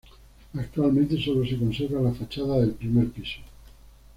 Actualmente sólo se conserva la fachada del primer piso.